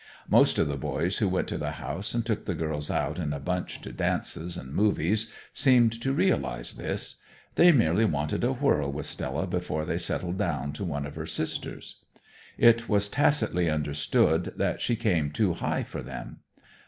Most of the boys who went to the house and took the girls out in a bunch to dances and movies seemed to realize this. They merely wanted a whirl with Stella before they settled down to one of her sisters. It was tacitly understood that she came too high for them.